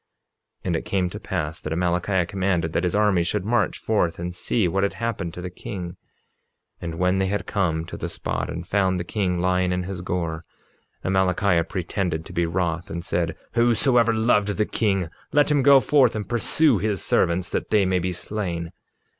47:27 And it came to pass that Amalickiah commanded that his armies should march forth and see what had happened to the king; and when they had come to the spot, and found the king lying in his gore, Amalickiah pretended to be wroth, and said: Whosoever loved the king, let him go forth, and pursue his servants that they may be slain.